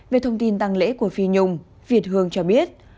về thông tin tăng lễ của phi nhung việt hương cho biết